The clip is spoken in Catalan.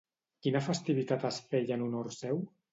Quina festivitat es feia en honor seu?